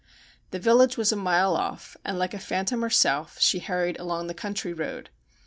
The village was a mile off, and like a phantom herself she hurried along the country road.